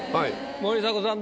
森迫さん